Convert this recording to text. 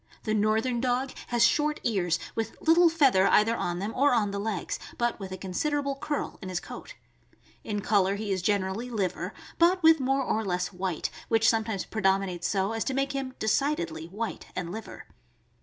The northern dog has short ears, with little feather either on them or on the legs, but with a considerable curl in his coat. In color he is generally liver, but with more or less white, which some times predominates so as to make him decidedly white and liver.